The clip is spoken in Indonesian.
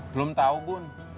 belum tahu bun